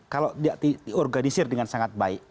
kalau tidak diorganisir dengan sangat baik